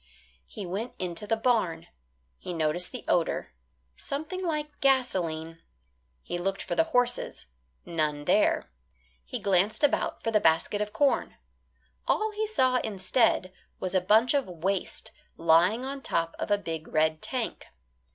He went into the barn. He noticed the odour; something like gasoline. He looked for the horses; none there. He glanced about for the basket of corn. All he saw, instead, was a bunch of waste lying on top of a big red tank.